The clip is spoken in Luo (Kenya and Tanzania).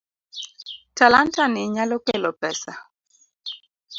Talanta ni nyalo kelo pesa.